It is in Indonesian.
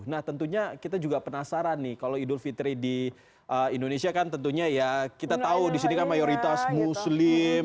nah tentunya kita juga penasaran nih kalau idul fitri di indonesia kan tentunya ya kita tahu di sini kan mayoritas muslim